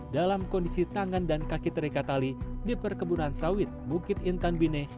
dalam kondisi tangan dan kaki terikat tali di perkebunan sawit bukit intan bineh